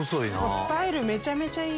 スタイルめちゃめちゃいい。